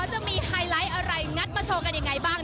จะมีไฮไลท์อะไรงัดมาโชว์กันยังไงบ้าง